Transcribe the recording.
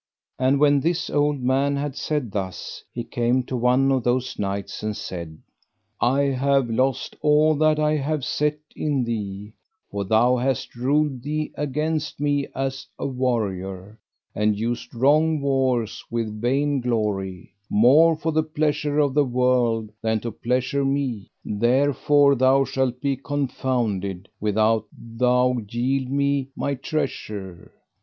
And when this old man had said thus he came to one of those knights, and said: I have lost all that I have set in thee, for thou hast ruled thee against me as a warrior, and used wrong wars with vain glory, more for the pleasure of the world than to please me, therefore thou shalt be confounded without thou yield me my treasure.